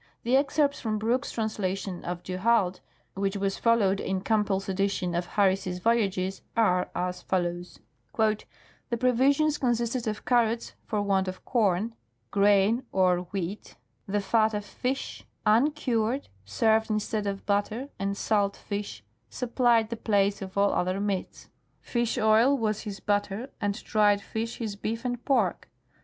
The excerpts from Brooke's trans lation of du Halde, Avhich was followed in Campbell's edition of Harris' Voyages, are as follows :" The provisions consisted of carrots for want of corn [= grain or wheat], the fat of fish, uncured, served instead of butter, and salt fish supplied the place of all other meats." " Fish oil was his butter and dried fish his beef and pork.